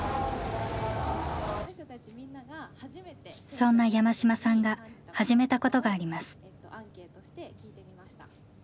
そんな山島さんが始めたことがあります。